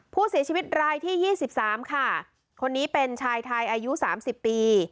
ผู้เสียชีวิตรายที่ยี่สิบสามค่ะคนนี้เป็นชายไทยอายุสามสิบปี